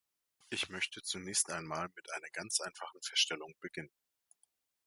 Ich möchte zunächst einmal mit einer ganz einfachen Feststellung beginnen.